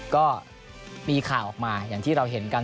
ก็มีข่าวออกมาอย่างที่เราเห็นกัน